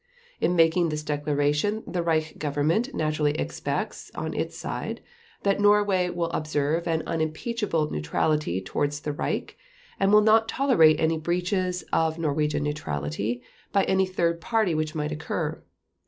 In making this declaration the Reich Government naturally expects, on its side, that Norway will observe an unimpeachable neutrality towards the Reich and will not tolerate any breaches of Norwegian neutrality by any third party which might occur.